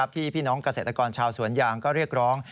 พี่น้องเกษตรกรชาวสวนยางก็เรียกร้อง